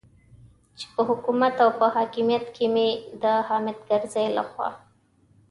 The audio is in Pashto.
چې په حکومت او په حاکمیت کې مې د حامد کرزي لخوا.